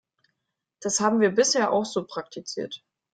Das haben wir bisher auch so praktiziert.